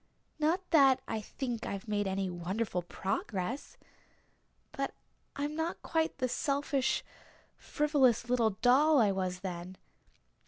Not that I think I've made any wonderful progress but I'm not quite the selfish, frivolous little doll I was then.